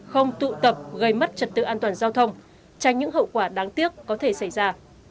không tụ tập gây mất trật tự an toàn giao thông tránh những hậu quả đáng tiếc có thể xảy ra